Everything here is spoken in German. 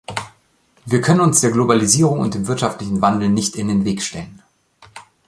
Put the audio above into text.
Wir können uns der Globalisierung und dem wirtschaftlichen Wandel nicht in den Weg stellen.